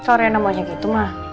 kalau riana maunya gitu ma